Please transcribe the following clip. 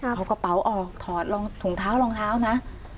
เอากระเป๋าออกถอดรองถุงเท้ารองเท้านะ